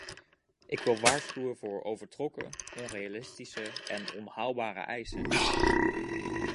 Ik wil waarschuwen voor overtrokken, onrealistische en onhaalbare eisen.